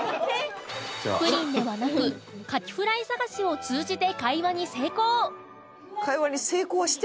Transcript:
プリンではなくカキフライ探しを通じて会話に成功！